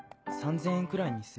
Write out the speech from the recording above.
３０００円くらいにする？